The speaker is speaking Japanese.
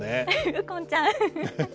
「右近ちゃん」。